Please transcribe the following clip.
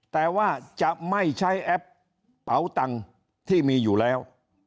แต่ว่าจะไม่ใช้แอปเป๋าตังค์ที่มีอยู่แล้ว